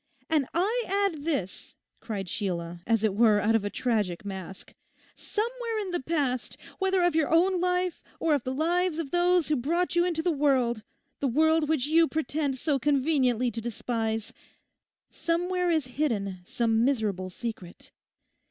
'And I add this,' cried Sheila, as it were out of a tragic mask, 'somewhere in the past, whether of your own life, or of the lives of those who brought you into the world—the world which you pretend so conveniently to despise—somewhere is hidden some miserable secret.